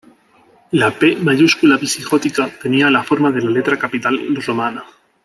La "P" mayúscula visigótica tenía la forma de la letra capital romana.